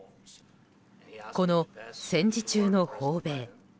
この戦時中の訪米。